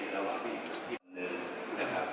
ระหว่างเท่าที่นึงนะครับ